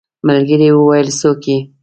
ملکې وويلې څوک يې.